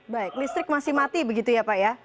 baik listrik masih mati begitu ya pak ya